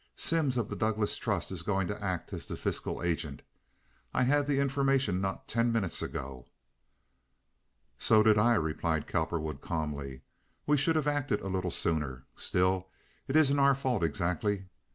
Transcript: Simms of the Douglas Trust is going to act as the fiscal agent. I had the information not ten minutes ago." "So did I," replied Cowperwood, calmly. "We should have acted a little sooner. Still, it isn't our fault exactly.